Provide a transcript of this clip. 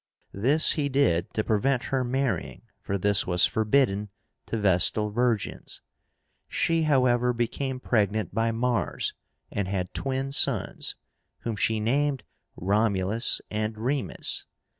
This he did to prevent her marrying, for this was forbidden to Vestal virgins. She, however, became pregnant by Mars, and had twin sons, whom she named ROMULUS and REMUS.